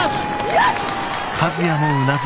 よし！